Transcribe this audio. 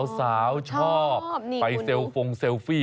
ชอบไปเซลฟงเซลฟี่